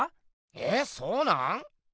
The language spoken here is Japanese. えっそうなん⁉